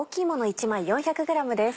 １枚４００ｇです。